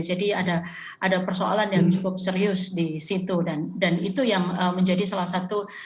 jadi ada persoalan yang cukup serius di situ dan itu yang menjadi salah satu